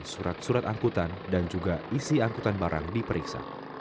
surat surat angkutan dan juga isi angkutan barang diperiksa